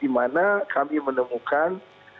di mana kami menemukan